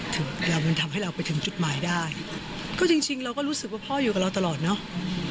ถึงเวลามันทำให้เราไปถึงจุดหมายได้ก็จริงจริงเราก็รู้สึกว่าพ่ออยู่กับเราตลอดเนอะ